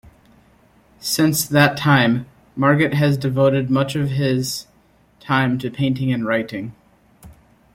Since that time, Maggart has devoted much of his time to painting and writing.